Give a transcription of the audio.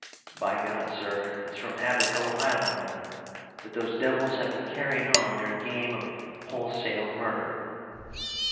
"By God, sir! It's from Abaco Island, then, that those devils have been carrying on their game of wholesale murder!"